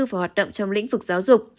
và hoạt động trong lĩnh vực giáo dục